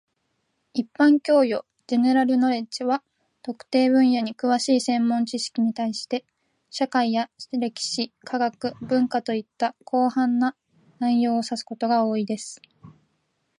一般教養 （general knowledge） は、特定分野に詳しい専門知識に対して、社会や歴史、科学、文化といった広範な内容を指すことが多いです。